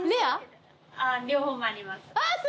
あっ両方あります